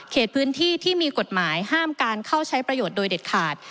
พื้นที่ที่มีกฎหมายห้ามการเข้าใช้ประโยชน์โดยเด็ดขาด